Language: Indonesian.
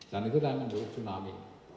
dan itu yang menurut tsunami